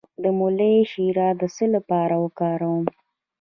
د مولی شیره د څه لپاره وکاروم؟